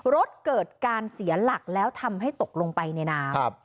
รถเกิดการเสียหลักแล้วทำให้ตกลงไปในน้ำ